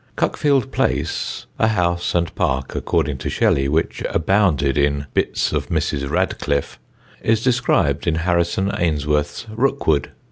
Cuckfield Place (a house and park, according to Shelley, which abounded in "bits of Mrs. Radcliffe") is described in Harrison Ainsworth's Rookwood.